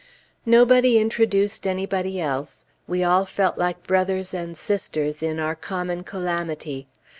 Nobody introduced anybody else; we all felt like brothers and sisters in our common calamity.